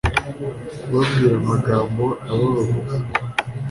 kubabwira amagambo abababaza